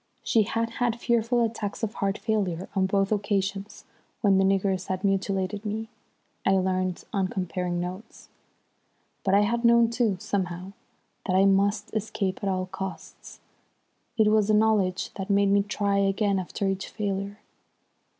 She had had fearful attacks of heart failure on both occasions when the niggers had mutilated me, I learnt on comparing notes. "But I had known too, somehow, that I must escape at all costs. It was the knowledge that made me try again after each failure.